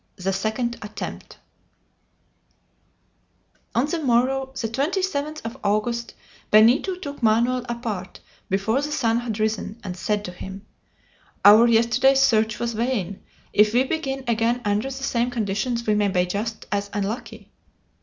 THE SECOND ATTEMPT On the morrow, the 27th of August, Benito took Manoel apart, before the sun had risen, and said to him: "Our yesterday's search was vain. If we begin again under the same conditions we may be just as unlucky."